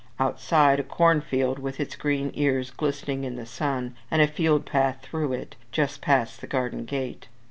Outside, a corn field, with its green ears glistening in the sun, and a field path through it, just past the garden gate.